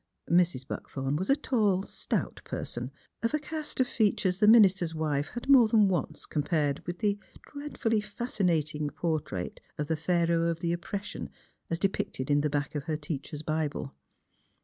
Mrs. Buckthorn was a tall, stout person, of a cast of features the minister's wife had more than once compared with the dreadfully fascinating portrait of the Pharaoh of the Oppression as depicted in the back of her teacher's Bible.